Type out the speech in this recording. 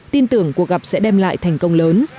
tin tưởng cuộc gặp sẽ đem lại thành công lớn